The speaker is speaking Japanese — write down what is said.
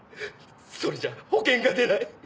それじゃ保険が出ない！